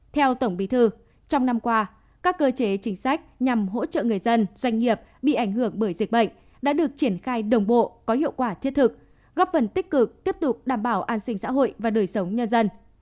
theo tổng bí thư trong năm qua các cơ chế chính sách nhằm hỗ trợ người dân doanh nghiệp bị ảnh hưởng bởi dịch bệnh đã được triển khai đồng bộ có hiệu quả thiết thực góp phần tích cực tiếp tục đảm bảo an sinh xã hội và đời sống nhân dân